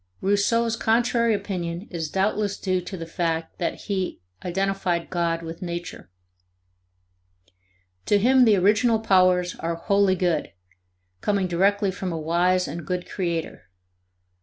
Rousseau's contrary opinion is doubtless due to the fact that he identified God with Nature; to him the original powers are wholly good, coming directly from a wise and good creator.